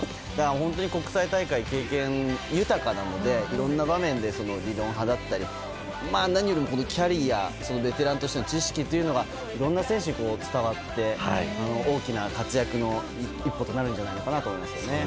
本当に国際大会の経験が豊かなのでいろんな場面で理論派だったり何よりもキャリアベテランとしての知識というのがいろんな選手に伝わって大きな活躍の一歩となるんじゃないのかなと思います。